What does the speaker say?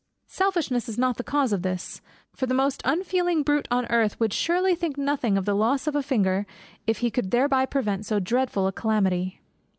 Selfishness is not the cause of this, for the most unfeeling brute on earth would surely think nothing of the loss of a finger, if he could thereby prevent so dreadful a calamity."